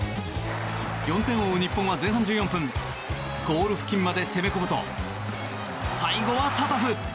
４点を追う日本は前半１４分ゴール付近まで攻め込むと最後はタタフ。